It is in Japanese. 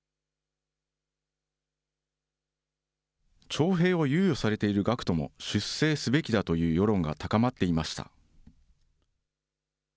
徴兵を猶予されている学徒も出征すべきだという世論が高まっていました。